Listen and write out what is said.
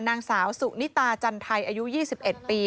นางสาวสุนิตาจันไทยอายุ๒๑ปี